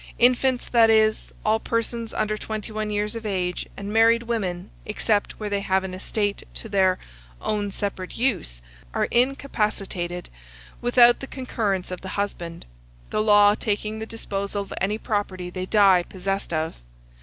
Infants, that is, all persons under twenty one years of age, and married women, except where they have an estate to their "own separate use," are incapacitated, without the concurrence of the husband; the law taking the disposal of any property they die possessed of.